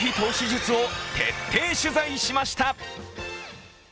術を徹底取材しました。